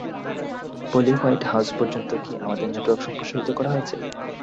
পলি, White House পর্যন্ত কি আমাদের নেটওয়ার্ক সম্প্রসারিত হয়েছে?